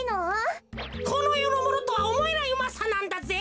このよのものとはおもえないうまさなんだぜ。